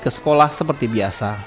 ke sekolah seperti biasa